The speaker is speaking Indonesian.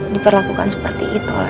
diperlakukan seperti itu lah